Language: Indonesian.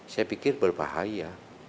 saya pikir berbahaya